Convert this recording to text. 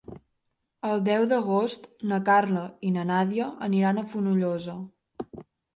El deu d'agost na Carla i na Nàdia aniran a Fonollosa.